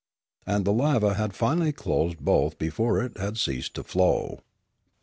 And the lava had finally closed both before it had ceased to flow.